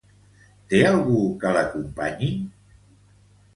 Té algú que l'acompanyi?